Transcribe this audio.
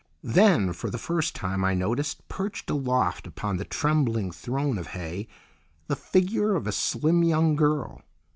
Then, for the first time, I noticed, perched aloft upon the trembling throne of hay, the figure of a slim young girl.